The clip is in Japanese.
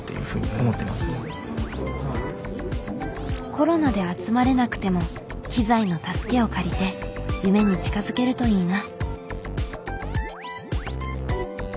コロナで集まれなくても機材の助けを借りて夢に近づけるといいな。